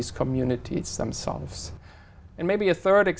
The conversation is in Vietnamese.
so với những vấn đề khác